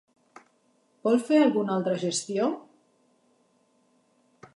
Vol fer alguna altra gestió?